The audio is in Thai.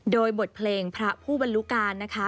โดยบทเพลงพระผู้บรรลุการนะคะ